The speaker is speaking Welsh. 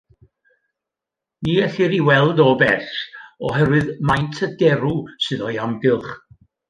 Ni ellir ei weld o bell, oherwydd maint y derw sydd o'i amgylch.